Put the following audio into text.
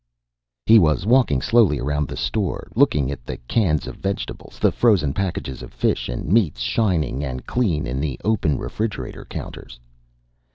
He was walking slowly around the store, looking at the cans of vegetables, the frozen packages of fish and meats shining and clean in the open refrigerator counters.